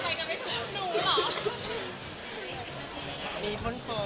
สำเร็จกันไปกรุ๊ปหนูเหรอ